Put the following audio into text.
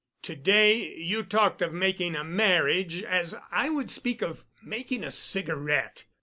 To day you talked of making a marriage as I would speak of making a cigarette.